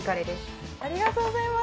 ありがとうございます。